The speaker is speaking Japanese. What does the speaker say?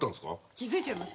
気付いちゃいます？